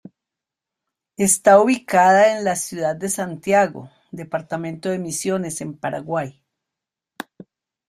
Está ubicada en la ciudad de Santiago, departamento de Misiones en Paraguay.